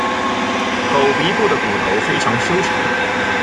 口鼻部的骨头非常修长。